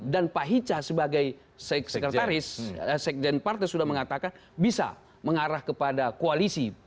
dan pak hicca sebagai sekretaris sekjen partai sudah mengatakan bisa mengarah kepada koalisi